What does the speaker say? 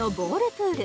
プール